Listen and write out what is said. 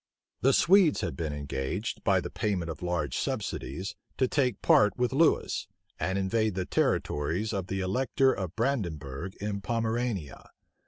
The Swedes had been engaged, by the payment of large subsidies, to take part with Lewis, and invade the territories of the elector of Brandenburgh in Pomerania.